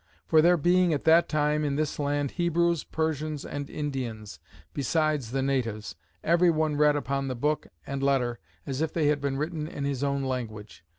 For there being at that time in this land Hebrews, Persians, and Indians, besides the natives, every one read upon the Book, and Letter, as if they had been written in his own language.